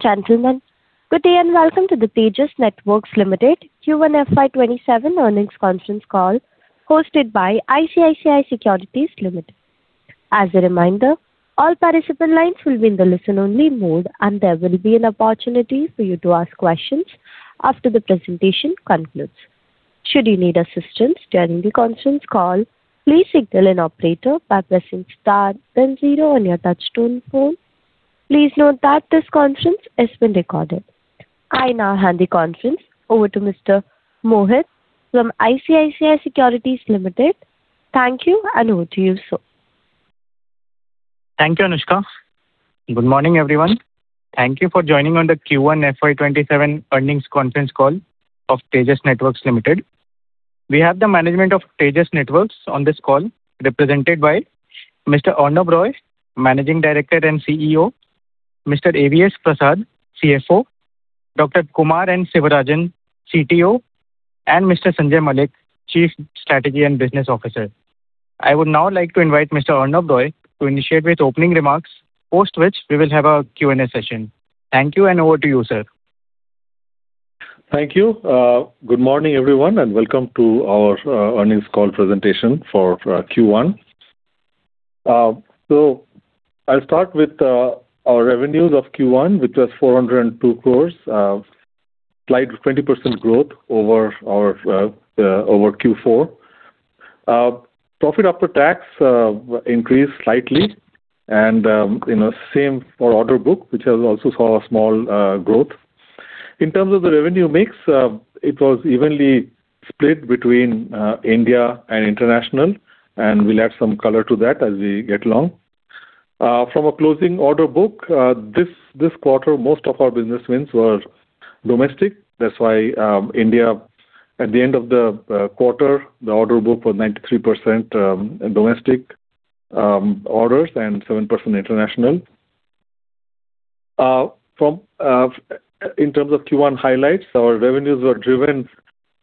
Gentlemen. Good day. Welcome to the Tejas Networks Limited Q1 FY 2027 earnings conference call hosted by ICICI Securities Limited. As a reminder, all participant lines will be in the listen-only mode. There will be an opportunity for you to ask questions after the presentation concludes. Should you need assistance during the conference call, please signal an operator by pressing star then zero on your touchtone phone. Please note that this conference is being recorded. I now hand the conference over to Mr. Mohit from ICICI Securities Limited. Thank you. Over to you, sir. Thank you, Anushka. Good morning, everyone. Thank you for joining on the Q1 FY 2027 earnings conference call of Tejas Networks Limited. We have the management of Tejas Networks on this call represented by Mr. Arnob Roy, Managing Director and CEO, Mr. AVS Prasad, CFO, Dr. Kumar N. Sivarajan, CTO, and Mr. Sanjay Malik, Chief Strategy and Business Officer. I would now like to invite Mr. Arnob Roy to initiate with opening remarks, post which we will have a Q&A session. Thank you. Over to you, sir. Thank you. Good morning, everyone. Welcome to our earnings call presentation for Q1. I'll start with our revenues of Q1, which was 402 crores. A slight 20% growth over Q4. Profit after tax increased slightly. Same for order book, which has also saw a small growth. In terms of the revenue mix, it was evenly split between India and international. We'll add some color to that as we get along. From a closing order book, this quarter, most of our business wins were domestic. That's why India, at the end of the quarter, the order book was 93% domestic orders and 7% international. In terms of Q1 highlights, our revenues were driven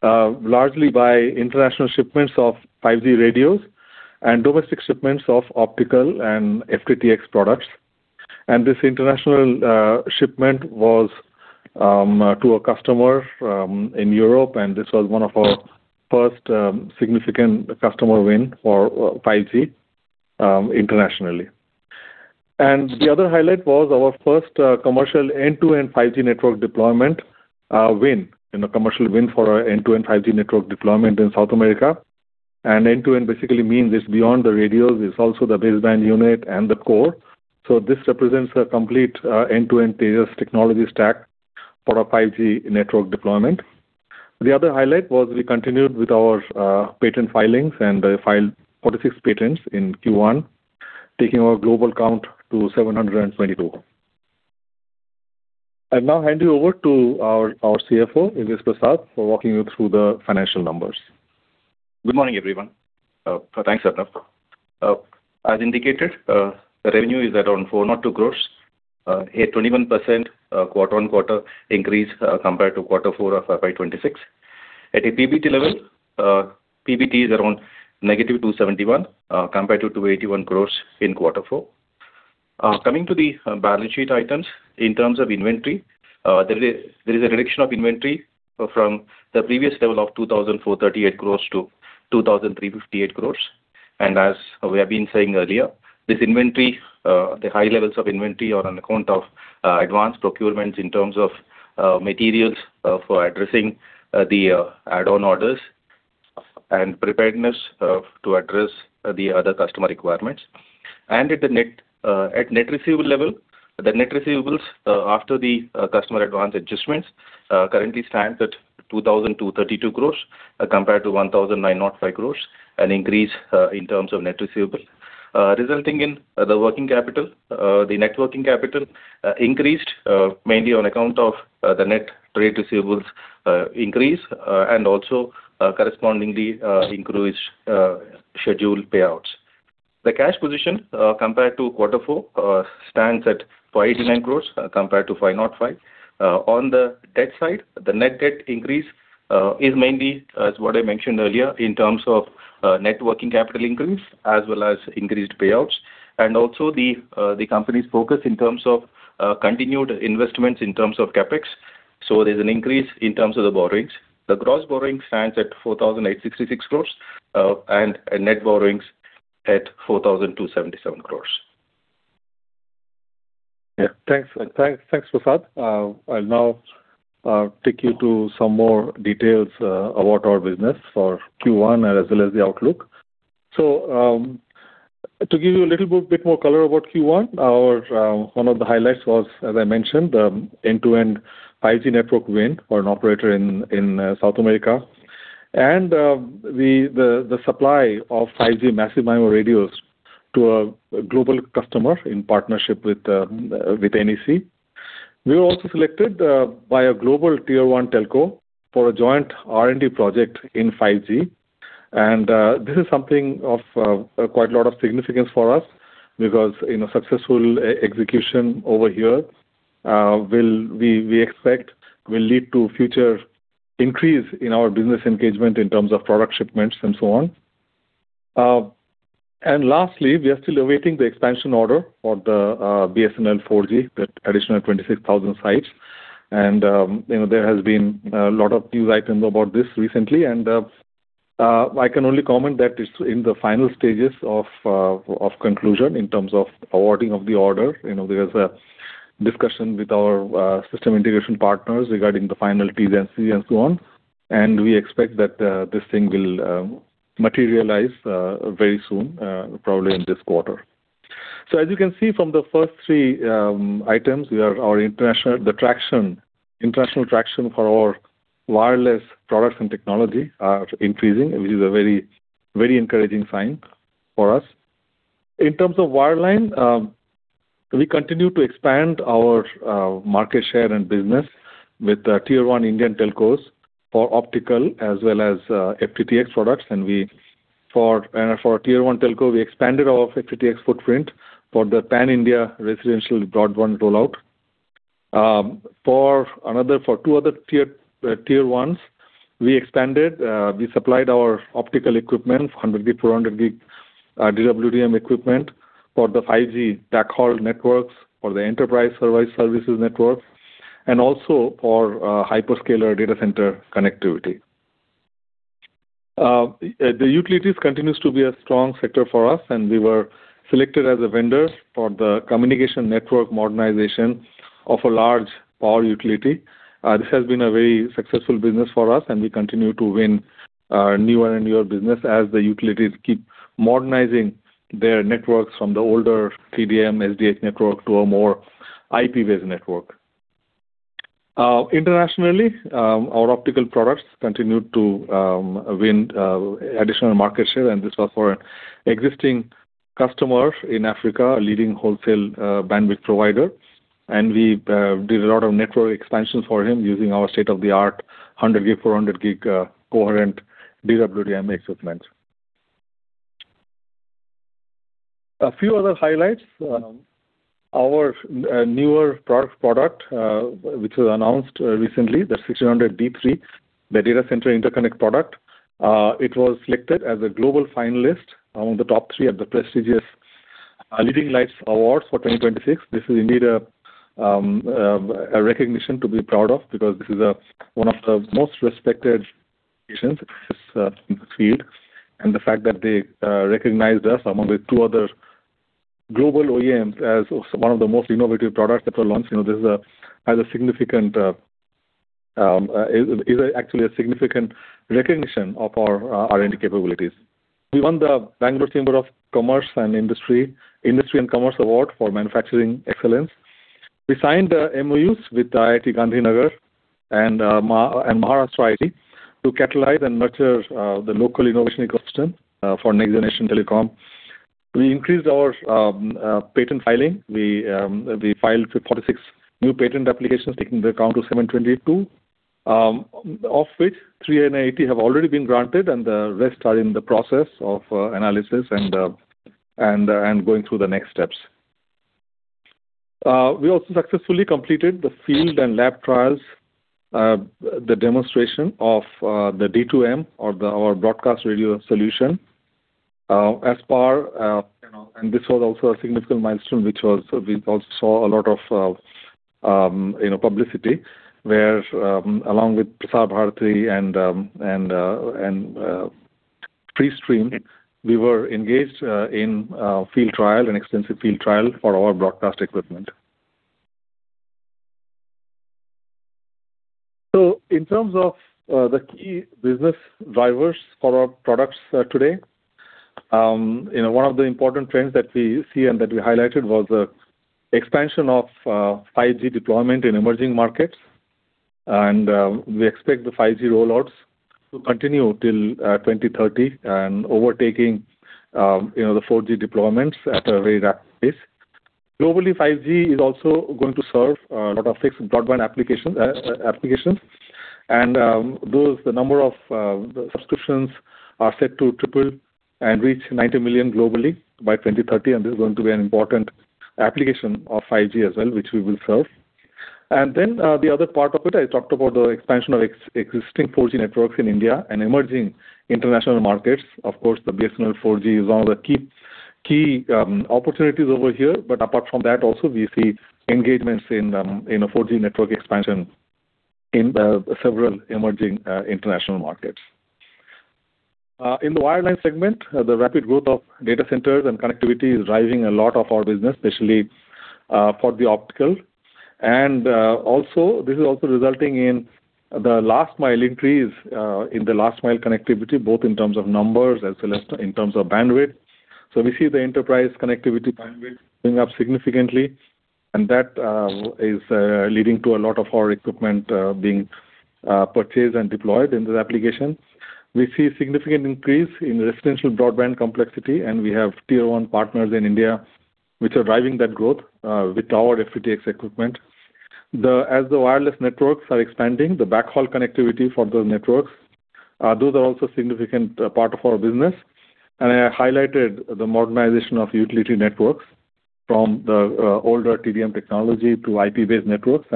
largely by international shipments of 5G radios and domestic shipments of optical and FTTx products. This international shipment was to a customer in Europe. This was one of our first significant customer win for 5G internationally. The other highlight was our first commercial end-to-end 5G network deployment win. A commercial win for our end-to-end 5G network deployment in South America. End-to-end basically means it's beyond the radios. It's also the baseband unit and the core. This represents a complete end-to-end Tejas technology stack for a 5G network deployment. The other highlight was we continued with our patent filings and filed 46 patents in Q1, taking our global count to 722. I'll now hand you over to our CFO, AVS Prasad, for walking you through the financial numbers. Good morning, everyone. Thanks, Arnob. As indicated, revenue is around 402 crores, a 21% quarter-on-quarter increase compared to quarter four of FY 2026. At a PBT level, PBT is around negative 271 crores compared to 281 crores in quarter four. Coming to the balance sheet items. In terms of inventory, there is a reduction of inventory from the previous level of 2,438 crores to 2,358 crores. As we have been saying earlier, the high levels of inventory are on account of advanced procurements in terms of materials for addressing the add-on orders and preparedness to address the other customer requirements. At net receivable level, the net receivables after the customer advance adjustments currently stands at 2,232 crores compared to 1,905 crores, an increase in terms of net receivable, resulting in the working capital. The net working capital increased mainly on account of the net trade receivables increase and also correspondingly increased scheduled payouts. The cash position compared to quarter four stands at 489 crores compared to 505 crores. On the debt side, the net debt increase is mainly as what I mentioned earlier in terms of net working capital increase as well as increased payouts. Also the company's focus in terms of continued investments in terms of CapEx. There's an increase in terms of the borrowings. The gross borrowings stands at 4,866 crores, and net borrowings at 4,277 crores. Thanks, Prasad. I'll now take you to some more details about our business for Q1 as well as the outlook. To give you a little bit more color of what Q1, one of the highlights was, as I mentioned, the end-to-end 5G network win for an operator in South America. The supply of 5G Massive MIMO radios to a global customer in partnership with NEC. We were also selected by a global tier 1 telco for a joint R&D project in 5G. This is something of quite a lot of significance for us because successful execution over here, we expect will lead to future increase in our business engagement in terms of product shipments and so on. Lastly, we are still awaiting the expansion order for the BSNL 4G, that additional 26,000 sites. There has been a lot of news items about this recently, and I can only comment that it's in the final stages of conclusion in terms of awarding of the order. There is a discussion with our system integration partners regarding the final T&Cs and so on. We expect that this thing will materialize very soon, probably in this quarter. As you can see from the first three items, the international traction for our wireless products and technology are increasing, which is a very encouraging sign for us. In terms of wireline, we continue to expand our market share and business with the tier 1 Indian telcos for optical as well as FTTx products. For tier 1 telco, we expanded our FTTx footprint for the pan-India residential broadband rollout. For two other tier 1s, we supplied our optical equipment, 100 Gb, 400 Gb DWDM equipment for the 5G backhaul networks, for the enterprise services network, and also for hyperscaler data center connectivity. The utilities continue to be a strong sector for us, and we were selected as a vendor for the communication network modernization of a large power utility. This has been a very successful business for us, and we continue to win newer and newer business as the utilities keep modernizing their networks from the older TDM SDH network to a more IP-based network. Internationally, our optical products continued to win additional market share, and this was for an existing customer in Africa, a leading wholesale bandwidth provider. We did a lot of network expansion for him using our state-of-the-art 100 Gb, 400 Gb coherent DWDM equipment. A few other highlights. Our newer product, which was announced recently, the TJ1600-D3, the data center interconnect product. It was selected as a global finalist among the top three at the prestigious Leading Lights Awards for 2026. This is indeed a recognition to be proud of because this is one of the most respected organizations in this field. The fact that they recognized us among the two other global OEMs as one of the most innovative products that were launched, this is actually a significant recognition of our R&D capabilities. We won the Bangalore Chamber of Industry and Commerce Award for manufacturing excellence. We signed MOUs with IIT Gandhinagar and MahaIT to catalyze and nurture the local innovation ecosystem for next-generation telecom. We increased our patent filing. We filed 46 new patent applications, taking the count to 722, of which 380 have already been granted, and the rest are in the process of analysis and going through the next steps. We also successfully completed the field and lab trials, the demonstration of the D2M or our broadcast radio solution. This was also a significant milestone, which we also saw a lot of publicity where, along with Prasar Bharati and FreeStream, we were engaged in a field trial, an extensive field trial for our broadcast equipment. In terms of the key business drivers for our products today, one of the important trends that we see and that we highlighted was the expansion of 5G deployment in emerging markets. We expect the 5G rollouts to continue till 2030 and overtaking the 4G deployments at a very rapid pace. Globally, 5G is also going to serve a lot of fixed broadband applications. The number of subscriptions are set to triple and reach 90 million globally by 2030, and this is going to be an important application of 5G as well, which we will serve. The other part of it, I talked about the expansion of existing 4G networks in India and emerging international markets. Of course, the BSNL 4G is one of the key opportunities over here. Apart from that, also we see engagements in a 4G network expansion in several emerging international markets. In the wireline segment, the rapid growth of data centers and connectivity is driving a lot of our business, especially for the optical. This is also resulting in the last-mile increase in the last-mile connectivity, both in terms of numbers as well as in terms of bandwidth. We see the enterprise connectivity bandwidth going up significantly, that is leading to a lot of our equipment being purchased and deployed in those applications. We see a significant increase in residential broadband complexity, we have tier-one partners in India which are driving that growth with our FTTx equipment. As the wireless networks are expanding, the backhaul connectivity for those networks, those are also a significant part of our business. I highlighted the modernization of utility networks from the older TDM technology to IP-based networks,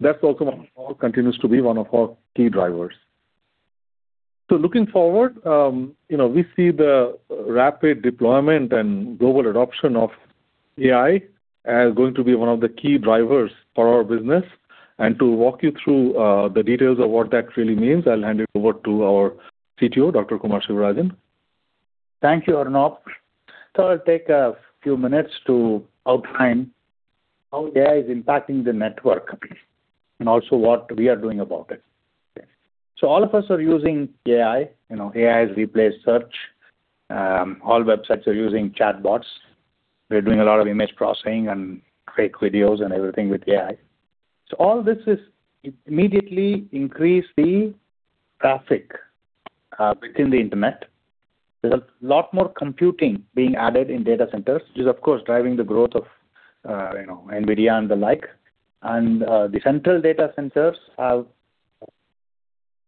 that also continues to be one of our key drivers. Looking forward, we see the rapid deployment and global adoption of AI as going to be one of the key drivers for our business. To walk you through the details of what that really means, I'll hand it over to our CTO, Dr. Kumar Sivarajan. Thank you, Arnob. I'll take a few minutes to outline how AI is impacting the network, also what we are doing about it. All of us are using AI. AI has replaced search. All websites are using chatbots. We are doing a lot of image processing and great videos and everything with AI. All this has immediately increased the traffic within the internet. There's a lot more computing being added in data centers, which is of course, driving the growth of NVIDIA and the like. The central data centers have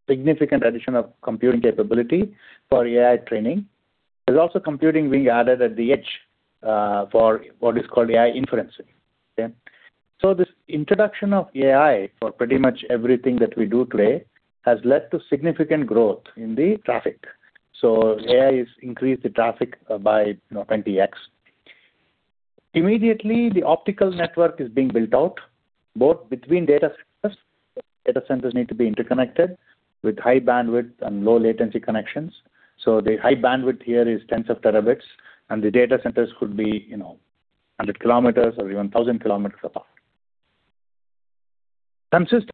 significant addition of computing capability for AI training. There's also computing being added at the edge for what is called AI inferencing. This introduction of AI for pretty much everything that we do today has led to significant growth in the traffic. AI has increased the traffic by 20x. Immediately, the optical network is being built out, both between data centers. Data centers need to be interconnected with high bandwidth and low latency connections. The high bandwidth here is tens of terabits, the data centers could be 100 km or even 1,000 km apart. Consistent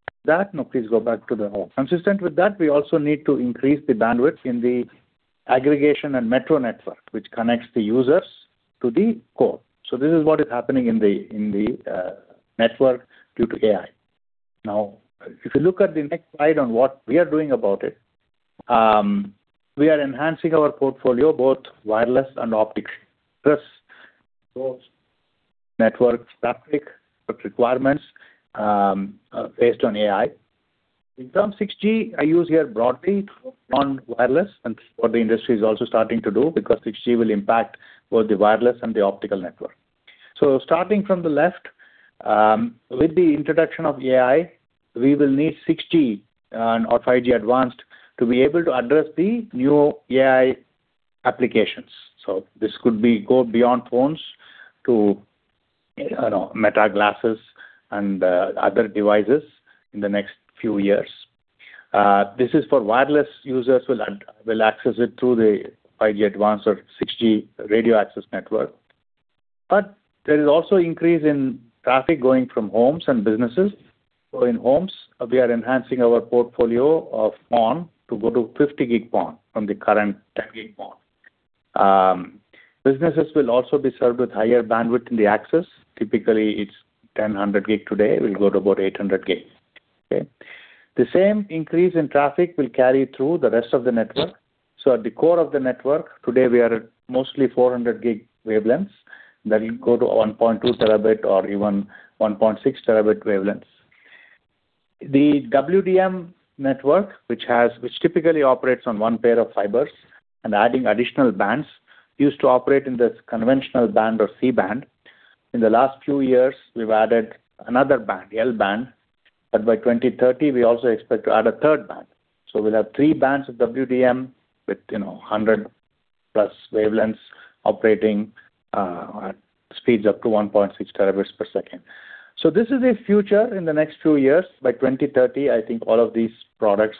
with that, we also need to increase the bandwidth in the aggregation and metro network, which connects the users to the core. This is what is happening in the network due to AI. If you look at the next slide on what we are doing about it. We are enhancing our portfolio, both wireless and optics. First, those network traffic requirements based on AI. In term 6G, I use here broadly non-wireless and what the industry is also starting to do because 6G will impact both the wireless and the optical network. Starting from the left, with the introduction of AI, we will need 6G or 5G-Advanced to be able to address the new AI applications. This could go beyond phones to meta glasses and other devices in the next few years. This is for wireless users will access it through the 5G-Advanced or 6G radio access network. There is also increase in traffic going from homes and businesses. In homes, we are enhancing our portfolio of PON to go to 50 Gb PON from the current 10 Gb PON. Businesses will also be served with higher bandwidth in the access. Typically, it's 10, 100 Gb today, will go to about 800 Gb. The same increase in traffic will carry through the rest of the network. At the core of the network today, we are at mostly 400 Gb wavelengths that will go to 1.2 Tb or even 1.6 Tb wavelengths. The WDM network, which typically operates on one pair of fibers and adding additional bands, used to operate in this conventional band or C-band. In the last few years, we've added another band, the L-band, but by 2030, we also expect to add a third band. We'll have three bands of WDM with 100+ wavelengths operating at speeds up to 1.6 Tbps. This is a future in the next few years. By 2030, I think all of these products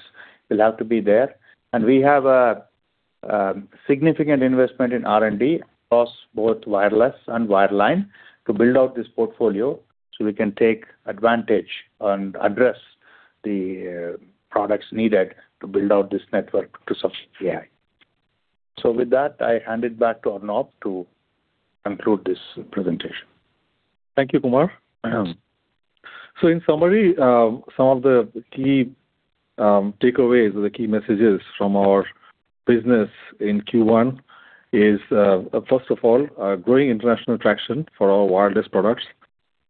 will have to be there, and we have a significant investment in R&D across both wireless and wireline to build out this portfolio so we can take advantage and address the products needed to build out this network to substitute AI. With that, I hand it back to Arnob to conclude this presentation. Thank you, Kumar. In summary, some of the key takeaways or the key messages from our business in Q1 is, first of all, growing international traction for our wireless products,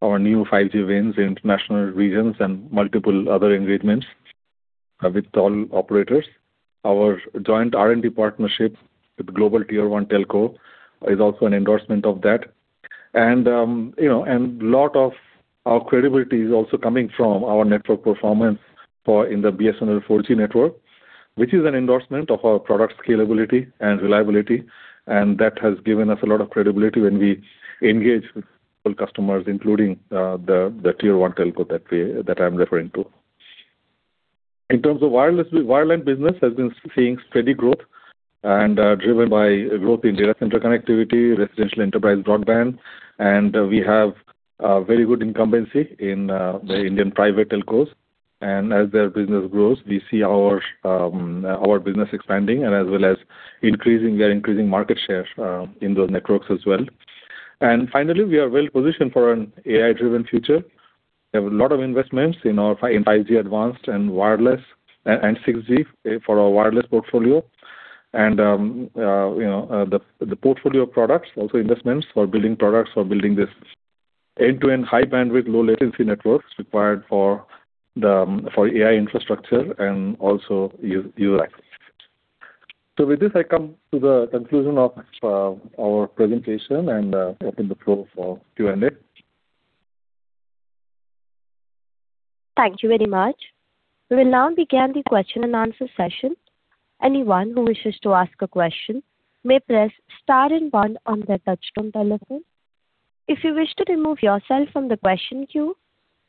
our new 5G wins in international regions and multiple other engagements with all operators. Our joint R&D partnership with global tier one telco is also an endorsement of that. A lot of our credibility is also coming from our network performance in the BSNL 4G network, which is an endorsement of our product scalability and reliability, and that has given us a lot of credibility when we engage with full customers, including the tier 1 telco that I'm referring to. In terms of wireless, wireline business has been seeing steady growth and driven by growth in data center connectivity, residential enterprise broadband. We have a very good incumbency in the Indian private telcos. As their business grows, we see our business expanding and as well as we are increasing market share in those networks as well. Finally, we are well positioned for an AI-driven future. We have a lot of investments in 5G-Advanced and wireless and 6G for our wireless portfolio. The portfolio of products, also investments for building products, for building this end-to-end high bandwidth, low latency networks required for AI infrastructure and also user access. With this, I come to the conclusion of our presentation and open the floor for Q&A. Thank you very much. We will now begin the question-and-answer session. Anyone who wishes to ask a question may press star and one on their touch-tone telephone. If you wish to remove yourself from the question queue,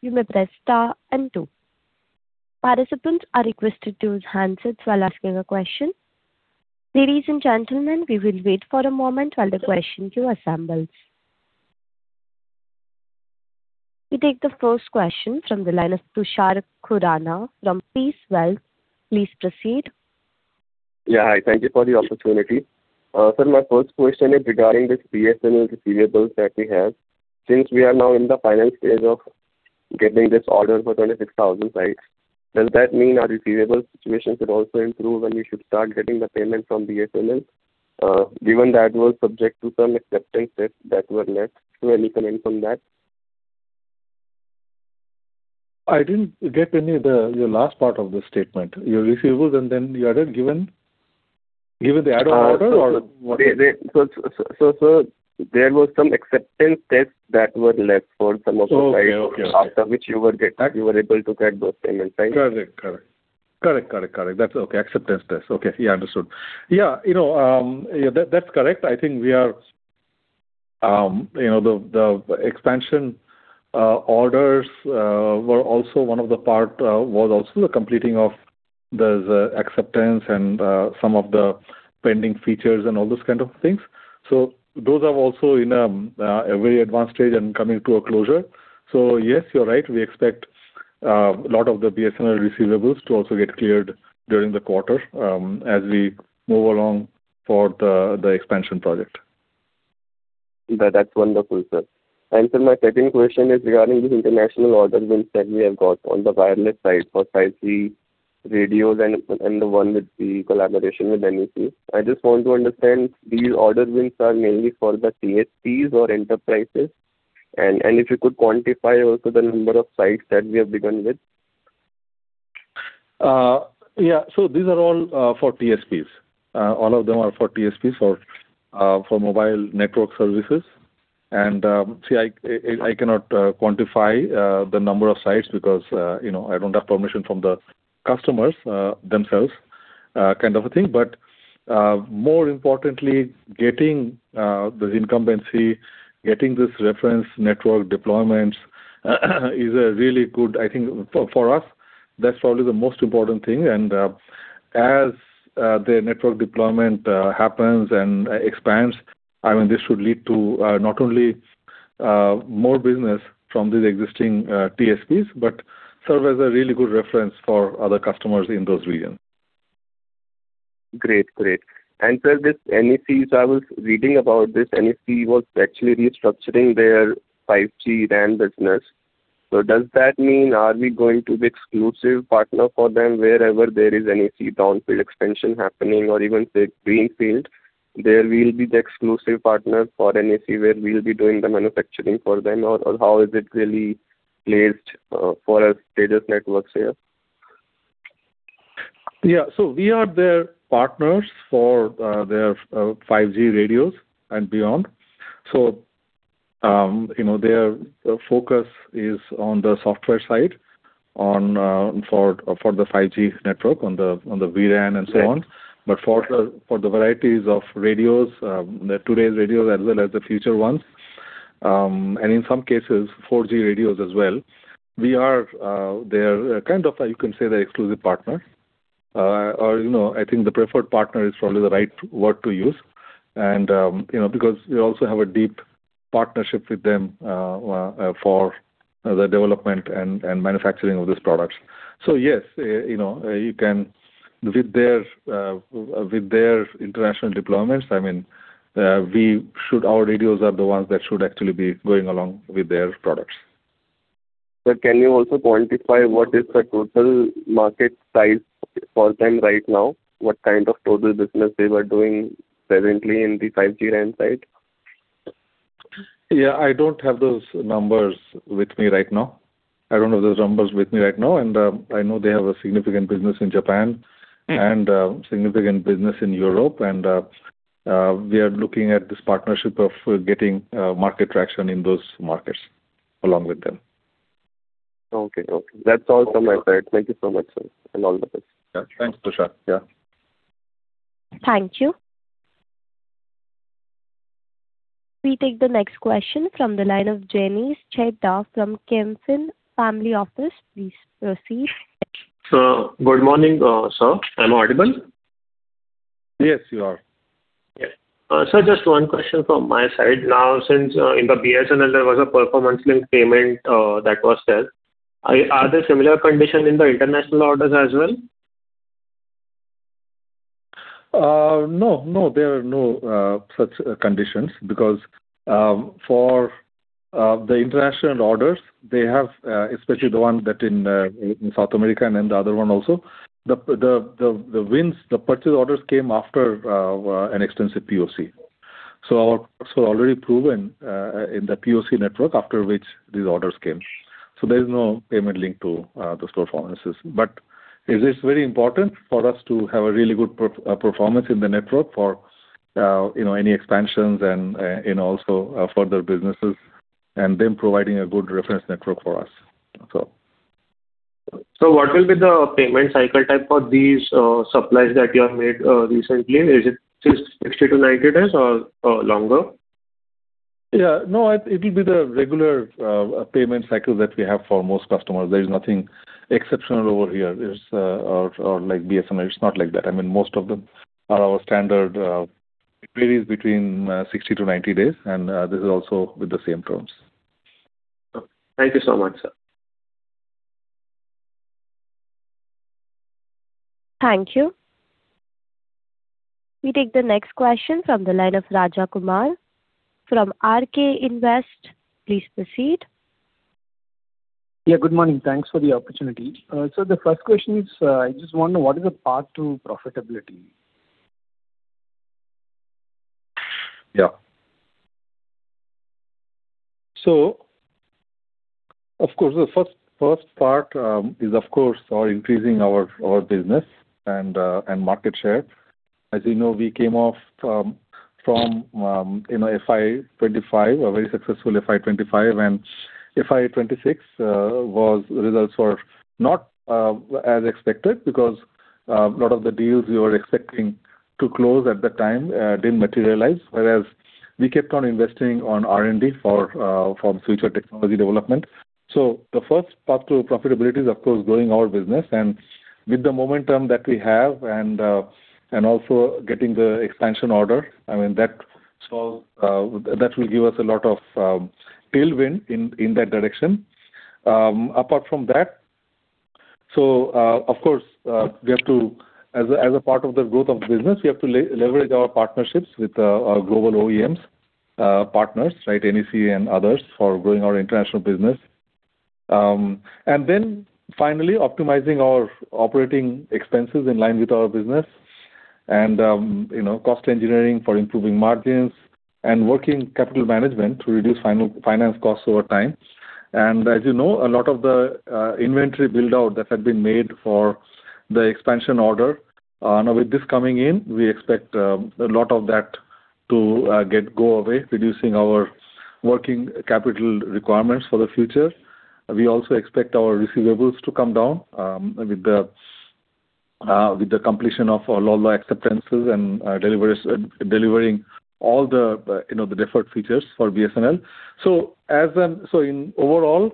you may press star and two. Participants are requested to use handsets while asking a question. Ladies and gentlemen, we will wait for a moment while the question queue assembles. We take the first question from the line of Tushar Khurana from Peace Wealth. Please proceed. Yeah. Hi, thank you for the opportunity. Sir, my first question is regarding this BSNL receivables that we have. Since we are now in the final stage of getting this order for 26,000 sites, does that mean our receivables situation should also improve and we should start getting the payment from BSNL? Given that was subject to some acceptance tests that were left. Any comment on that? I didn't get your last part of the statement. Your receivables, you added given the add on order or what is it? There were some acceptance tests that were left for some of the sites- Okay. -after which you were able to get those payments, right? Correct. That's okay. Acceptance test. Okay. Yeah, understood. Yeah, that's correct. I think the expansion orders, one of the part was also the completing of the acceptance and some of the pending features and all those kind of things. Those are also in a very advanced stage and coming to a closure. Yes, you're right. We expect a lot of the BSNL receivables to also get cleared during the quarter, as we move along for the expansion project. That's wonderful, sir. Sir, my second question is regarding the international order wins that we have got on the wireless side for 5G radios and the one with the collaboration with NEC. I just want to understand, these order wins are mainly for the TSPs or enterprises. If you could quantify also the number of sites that we have begun with. Yeah. These are all for TSPs. All of them are for TSPs, for mobile network services. See, I cannot quantify the number of sites because I don't have permission from the customers themselves, kind of a thing. More importantly, getting this incumbency, getting this reference, network deployments is really good, I think, for us. That's probably the most important thing. As their network deployment happens and expands, this should lead to not only more business from these existing TSPs, but serve as a really good reference for other customers in those regions. Sir, this NEC, I was reading about this. NEC was actually restructuring their 5G RAN business. Does that mean are we going to be exclusive partner for them wherever there is NEC downfield expansion happening or even, say, greenfield, there we'll be the exclusive partner for NEC, where we'll be doing the manufacturing for them? How is it really placed for us Tejas Networks here? Yeah. We are their partners for their 5G radios and beyond. Their focus is on the software side for the 5G network, on the vRAN and so on. For the varieties of radios, today's radios as well as the future ones, and in some cases 4G radios as well, we are their, kind of, you can say their exclusive partner. I think the preferred partner is probably the right word to use. Because we also have a deep partnership with them for the development and manufacturing of these products. Yes, with their international deployments, our radios are the ones that should actually be going along with their products. Sir, can you also quantify what is the total market size for them right now? What kind of total business they were doing presently in the 5G RAN side? Yeah, I don't have those numbers with me right now. I don't have those numbers with me right now. I know they have a significant business in Japan and a significant business in Europe. We are looking at this partnership of getting market traction in those markets along with them. Okay. That's all from my side. Thank you so much, sir. All the best. Thanks, Tushar. Yeah. Thank you. We take the next question from the line of Janice Chayda from Kempen Family Office. Please proceed. Good morning, sir. I'm audible? Yes, you are. Yeah. Sir, just one question from my side. Now, since in the BSNL there was a performance-linked payment that was there, are there similar condition in the international orders as well? No. There are no such conditions because, for the international orders, especially the one in South America and then the other one also, the wins, the purchase orders came after an extensive POC. Our products were already proven in the POC network, after which these orders came. There is no payment linked to those performances. It is very important for us to have a really good performance in the network for any expansions and also further businesses, and them providing a good reference network for us. What will be the payment cycle type for these supplies that you have made recently? Is it 60-90 days or longer? No, it will be the regular payment cycle that we have for most customers. There is nothing exceptional over here. Or like BSNL, it is not like that. Most of them are our standard. It varies between 60-90 days, and this is also with the same terms. Thank you so much, sir. Thank you. We take the next question from the line of Raja Kumar from RK Invest. Please proceed. Good morning. Thanks for the opportunity. The first question is, I just want to know, what is the path to profitability? Of course, the first part is increasing our business and market share. As you know, we came off from a very successful FY 2025, FY 2026 results were not as expected because a lot of the deals we were expecting to close at the time didn't materialize. We kept on investing on R&D for future technology development. The first path to profitability is, of course, growing our business. With the momentum that we have and also getting the expansion order, that will give us a lot of tailwind in that direction. Apart from that, as a part of the growth of business, we have to leverage our partnerships with our global OEM partners, NEC and others, for growing our international business. Finally, optimizing our operating expenses in line with our business and cost engineering for improving margins, working capital management to reduce finance costs over time. As you know, a lot of the inventory build-out that had been made for the expansion order. Now with this coming in, we expect a lot of that to go away, reducing our working capital requirements for the future. We also expect our receivables to come down with the completion of LOLB acceptances and delivering all the deferred features for BSNL. Overall,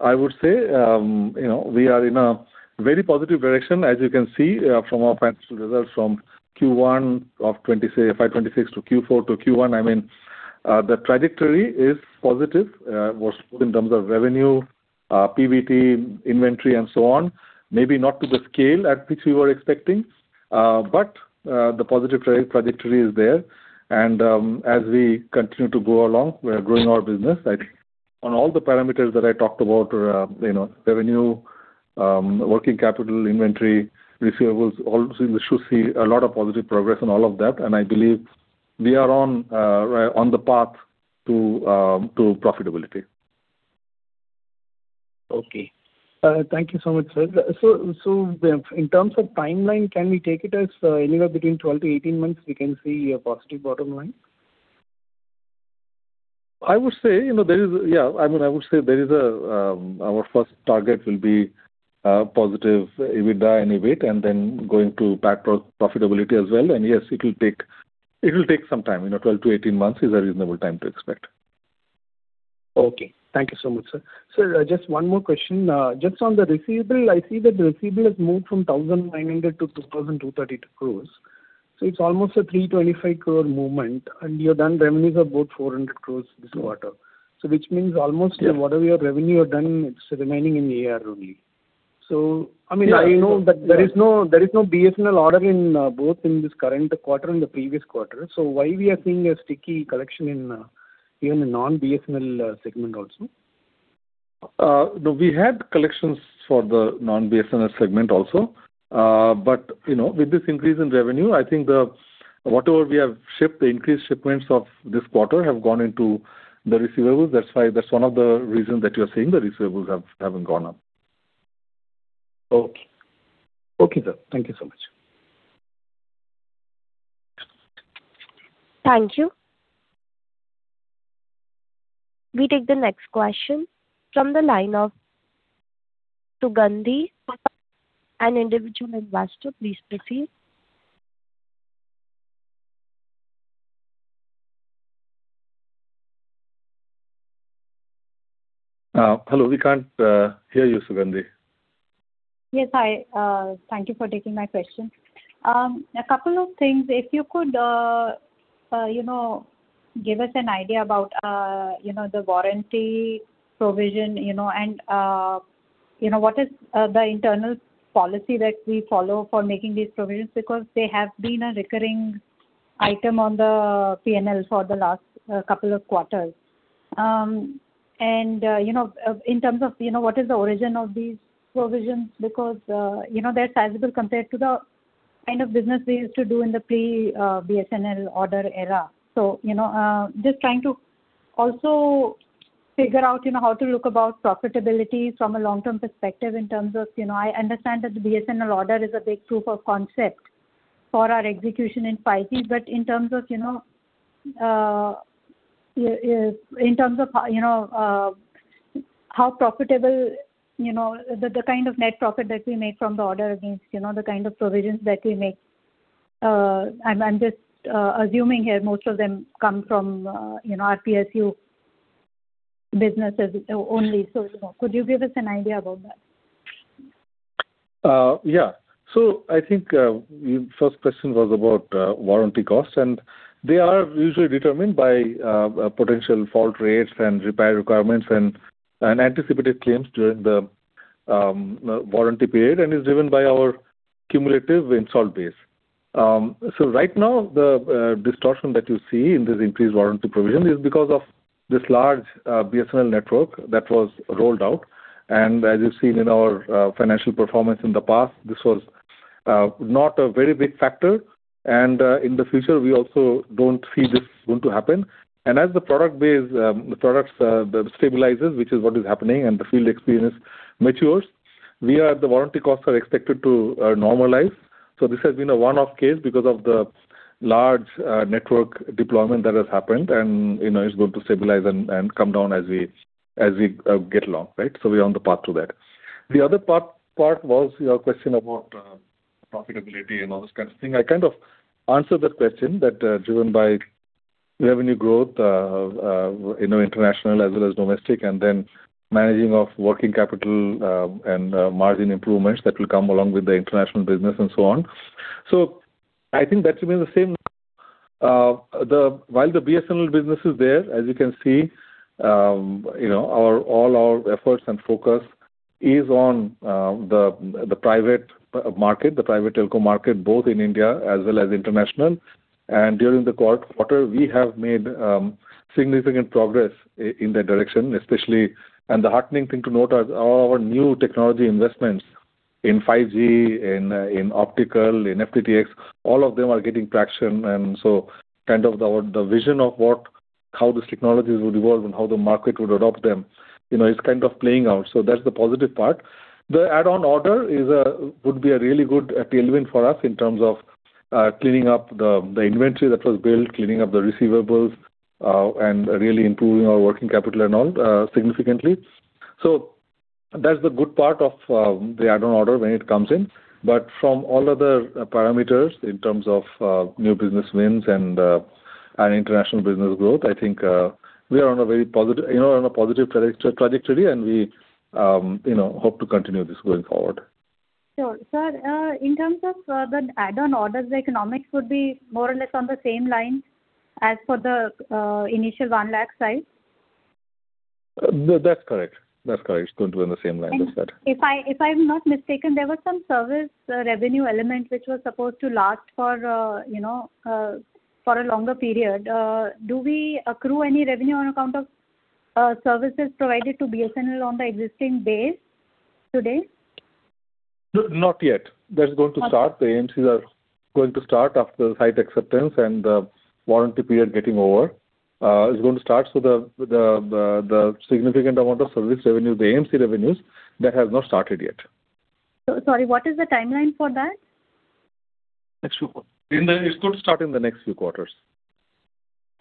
I would say, we are in a very positive direction, as you can see from our financial results from Q1 of FY 2026 to Q4 to Q1. The trajectory is positive, both in terms of revenue, PBT, inventory and so on. Maybe not to the scale at which we were expecting, but the positive trajectory is there. As we continue to go along, we are growing our business. On all the parameters that I talked about, revenue, working capital, inventory, receivables, we should see a lot of positive progress on all of that, I believe we are on the path to profitability. Okay. Thank you so much, sir. In terms of timeline, can we take it as anywhere between 12-18 months, we can see a positive bottom line? I would say our first target will be positive EBITDA and EBIT, then going to PAT profitability as well. Yes, it will take some time. 12-18 months is a reasonable time to expect. Thank you so much, sir. Sir, just one more question. Just on the receivable, I see that the receivable has moved from 1,900 to 2,232 crores. It's almost a 325 crore movement, and you have done revenues of about 400 crores this quarter. Which means almost whatever your revenue you have done, it's remaining in the AR only. I know that there is no BSNL order both in this current quarter and the previous quarter. Why we are seeing a sticky collection in even the non-BSNL segment also? We had collections for the non-BSNL segment also. With this increase in revenue, I think whatever we have shipped, the increased shipments of this quarter have gone into the receivables. That's one of the reasons that you're seeing the receivables haven't gone up. Okay, sir. Thank you so much. Thank you. We take the next question from the line of Sugandhi from an individual investor. Please proceed. Hello, we can't hear you, Sugandhi. Yes, hi. Thank you for taking my question. A couple of things. If you could give us an idea about the warranty provision, and what is the internal policy that we follow for making these provisions? They have been a recurring item on the P&L for the last couple of quarters. In terms of what is the origin of these provisions, because they're sizable compared to the kind of business we used to do in the pre-BSNL order era. Just trying to also figure out how to look about profitability from a long-term perspective in terms of, I understand that the BSNL order is a big proof of concept for our execution in 5G, but in terms of how profitable, the kind of net profit that we make from the order against the kind of provisions that we make. I'm just assuming here, most of them come from PSU businesses only. Could you give us an idea about that? Yeah. I think your first question was about warranty costs, and they are usually determined by potential fault rates and repair requirements and anticipated claims during the warranty period, and is driven by our cumulative installed base. Right now, the distortion that you see in this increased warranty provision is because of this large BSNL network that was rolled out. As you've seen in our financial performance in the past, this was not a very big factor. In the future, we also don't see this going to happen. As the product stabilizes, which is what is happening, and the field experience matures, the warranty costs are expected to normalize. This has been a one-off case because of the large network deployment that has happened, and is going to stabilize and come down as we get along. Right? We're on the path to that. The other part was your question about profitability and all this kind of thing. I kind of answered that question, that driven by revenue growth, international as well as domestic, and then managing of working capital and margin improvements that will come along with the international business and so on. I think that remains the same. While the BSNL business is there, as you can see, all our efforts and focus is on the private market, the private telco market, both in India as well as international. During the quarter, we have made significant progress in that direction, especially. The heartening thing to note is all our new technology investments in 5G, in optical, in FTTx, all of them are getting traction. Kind of the vision of how these technologies would evolve and how the market would adopt them is kind of playing out. That's the positive part. The add-on order would be a really good tailwind for us in terms of cleaning up the inventory that was built, cleaning up the receivables, and really improving our working capital and all significantly. That's the good part of the add-on order when it comes in. From all other parameters in terms of new business wins and our international business growth, I think we are on a positive trajectory, and we hope to continue this going forward. Sure. Sir, in terms of the add-on orders, the economics would be more or less on the same line as for the initial 1 lakh size? That's correct. It's going to be on the same line as that. If I'm not mistaken, there was some service revenue element which was supposed to last for a longer period. Do we accrue any revenue on account of services provided to BSNL on the existing base today? Not yet. That's going to start. The AMCs are going to start after site acceptance and the warranty period getting over. It's going to start, so the significant amount of service revenue, the AMC revenues, that has not started yet. Sorry, what is the timeline for that? It's going to start in the next few quarters.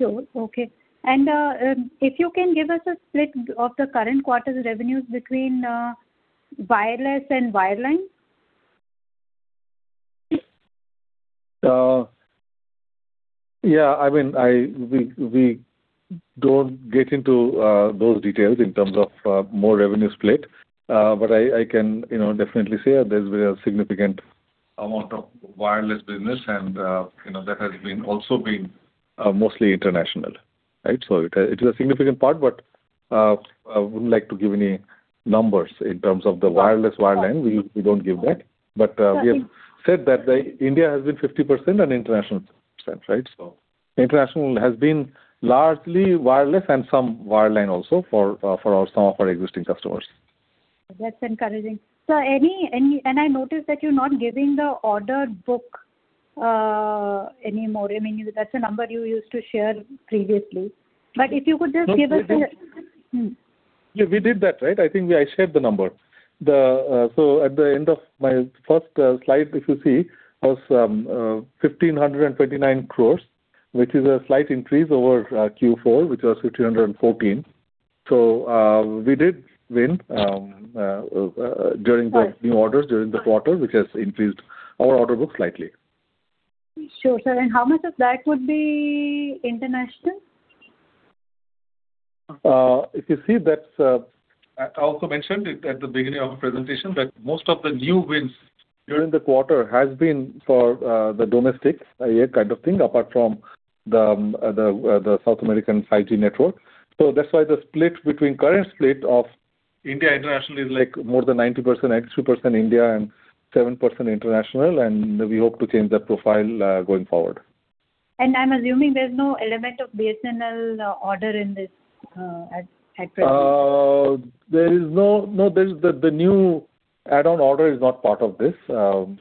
Sure. Okay. If you can give us a split of the current quarter's revenues between wireless and wireline. Yeah. We don't get into those details in terms of more revenue split. I can definitely say there's a significant amount of wireless business, and that has also been mostly international. Right? It is a significant part, but I wouldn't like to give any numbers in terms of the wireless, wireline. We don't give that. We have said that India has been 50% and international 50%, right? International has been largely wireless and some wireline also for some of our existing customers. That's encouraging. Sir, I noticed that you're not giving the order book anymore. That's a number you used to share previously. If you could just give us- Yeah, we did that. I think I shared the number. At the end of my first slide, if you see, was 1,529 crore, which is a slight increase over Q4, which was 1,314 crore. We did win during the new orders during the quarter, which has increased our order book slightly. Sure, sir. How much of that would be international? If you see, I also mentioned it at the beginning of the presentation, that most of the new wins during the quarter has been for the domestic kind of thing, apart from the South American 5G network. That's why the split between current split of India international is more than 90%: 93% India and 7% international, and we hope to change that profile going forward. I'm assuming there's no element of BSNL order in this at present. The new add-on order is not part of this. Whatever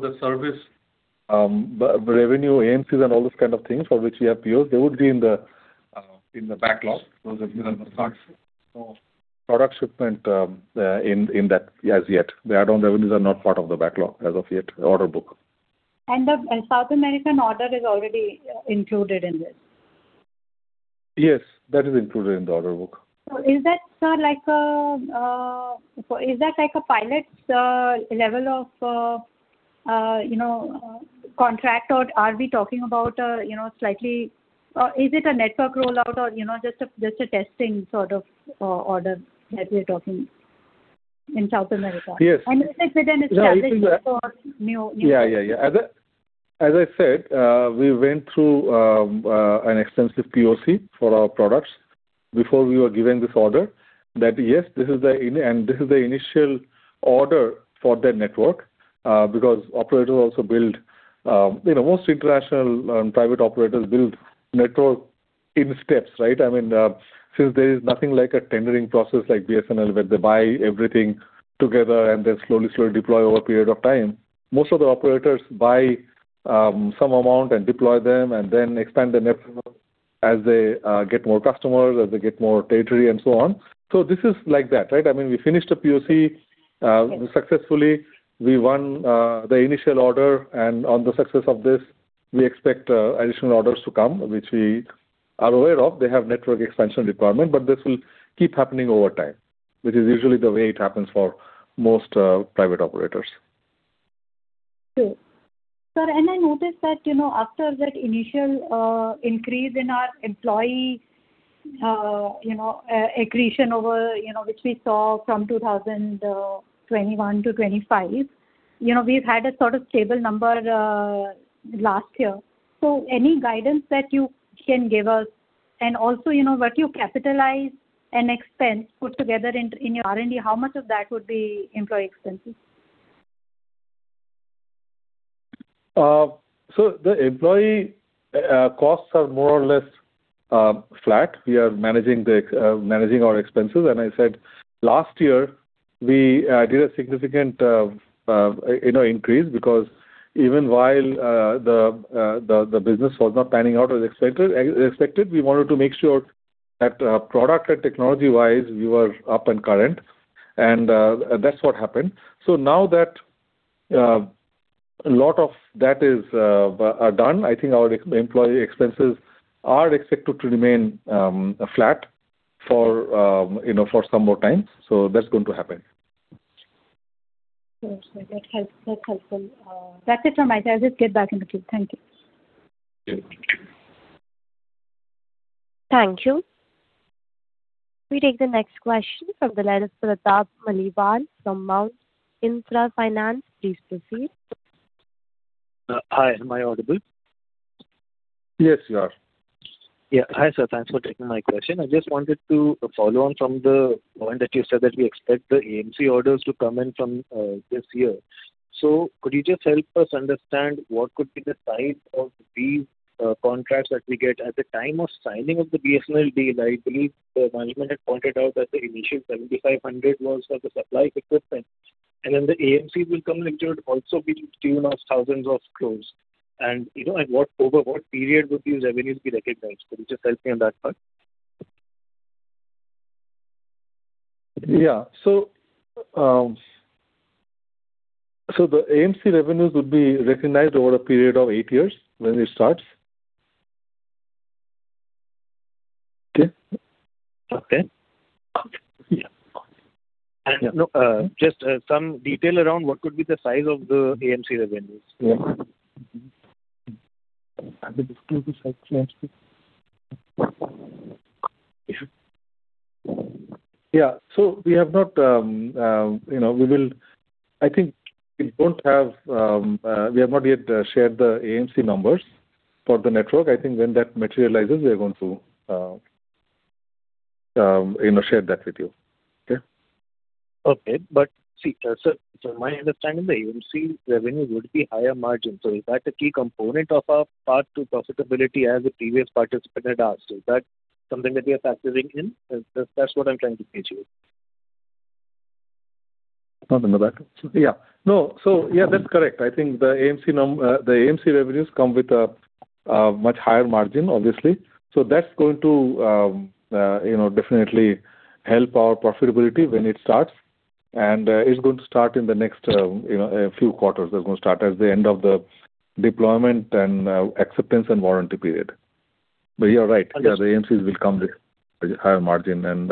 the service revenue aims is, and all those kind of things for which we have POs, they would be in the backlog. Those are, you know, the products. No product shipment in that as yet. The add-on revenues are not part of the backlog as of yet, the order book. The South American order is already included in this? Yes, that is included in the order book. Sir, is that like a pilot level of contract, or are we talking about a network rollout or just a testing sort of order that we're talking in South America? Yes. Is it within a strategy for new Yeah. As I said, we went through an extensive POC for our products before we were given this order. This is the initial order for that network, because most international private operators build network in steps, right? There is nothing like a tendering process like BSNL, where they buy everything together and then slowly deploy over a period of time. Most of the operators buy some amount and deploy them, and then expand the network as they get more customers, as they get more territory, and so on. This is like that. We finished a POC successfully. We won the initial order, and on the success of this, we expect additional orders to come, which we are aware of. They have network expansion department, but this will keep happening over time, which is usually the way it happens for most private operators. True. Sir, I noticed that after that initial increase in our employee accretion, which we saw from 2021 to 2025, we've had a sort of stable number last year. Any guidance that you can give us? Also, what you capitalize and expense, put together in your R&D, how much of that would be employee expenses? The employee costs are more or less flat. We are managing our expenses. I said last year, we did a significant increase because even while the business was not panning out as expected, we wanted to make sure that product and technology-wise, we were up and current. That's what happened. Now that a lot of that is done, I think our employee expenses are expected to remain flat for some more time. That's going to happen. Sure, sir. That's helpful. That's it from my side. I'll just get back in the queue. Thank you. Sure. Thank you. Thank you. We take the next question from the line of Pratap Maliwal from Mount Intra Finance. Please proceed. Hi, am I audible? Yes, you are. Hi, sir. Thanks for taking my question. I just wanted to follow on from the point that you said that we expect the AMC orders to come in from this year. Could you just help us understand what could be the size of these contracts that we get. At the time of signing of the BSNL deal, I believe the management had pointed out that the initial 7,500 was for the supply of equipment, and then the AMCs will come in, which would also be to the tune of thousands of crores. Over what period would these revenues be recognized? Could you just help me on that part? The AMC revenues would be recognized over a period of eight years when it starts. Okay. Okay. Yeah. Just some detail around what could be the size of the AMC revenues. Yeah. Have the disclosures actually answered it? Yeah. I think we have not yet shared the AMC numbers for the network. I think when that materializes, we are going to share that with you. Okay? Okay. See, sir, my understanding is the AMC revenue would be higher margin. Is that a key component of our path to profitability, as the previous participant had asked? Is that something that we are factoring in? That's what I'm trying to gauge here. Yeah. No. Yeah, that's correct. I think the AMC revenues come with a much higher margin, obviously. That's going to definitely help our profitability when it starts, and it's going to start in the next few quarters. That's going to start at the end of the deployment and acceptance and warranty period. You are right. Understood. Yeah, the AMCs will come with higher margin, and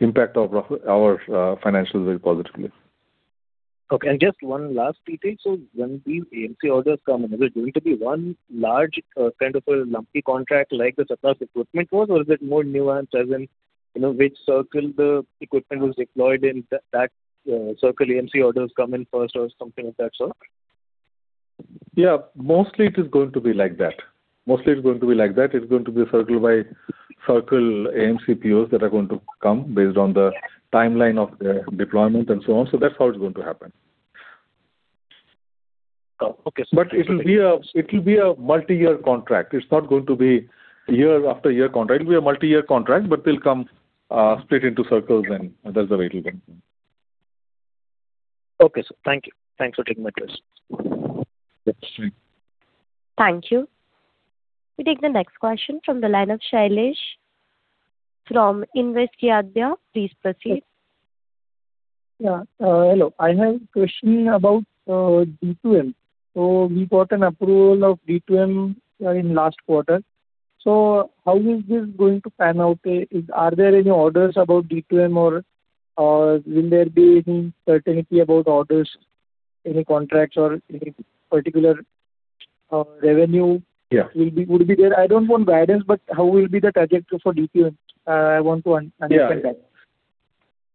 impact our financials very positively. Okay, just one last detail. When these AMC orders come in, is it going to be one large kind of a lumpy contract like the supply of equipment was, or is it more nuanced as in which circle the equipment was deployed in that circle, AMC orders come in first or something like that, sir? Yeah, mostly it is going to be like that. Mostly it's going to be like that. It's going to be circle by circle AMC POs that are going to come based on the timeline of the deployment and so on. That's how it's going to happen. Oh, okay. It will be a multi-year contract. It's not going to be year after year contract. It'll be a multi-year contract, but they'll come split into circles, and that's the way it will come. Okay, sir. Thank you. Thanks for taking my questions. Yes, thank you. Thank you. We take the next question from the line of Shailesh from Invest Yadnya. Please proceed. Yeah. Hello. I have a question about D2M. We got an approval of D2M in last quarter. How is this going to pan out? Are there any orders about D2M, or will there be any certainty about orders, any contracts or any particular revenue- Yeah would be there? I don't want guidance, how will be the trajectory for D2M? I want to understand that.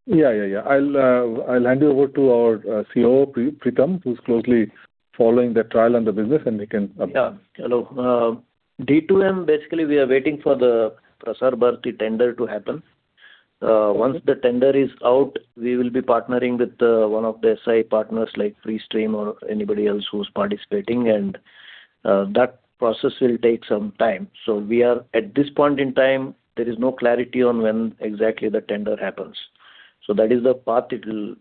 Yeah. I'll hand you over to our COO, Preetham, who's closely following the trial and the business, he can update. Yeah. Hello. D2M, basically, we are waiting for the Prasar Bharati tender to happen. Once the tender is out, we will be partnering with one of the SI partners like FreeStream or anybody else who's participating, that process will take some time. At this point in time, there is no clarity on when exactly the tender happens. That is the path it will